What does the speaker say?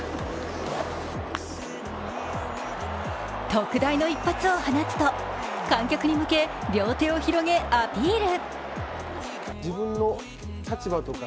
特大の一発を放つと観客に向け両手を広げアピール。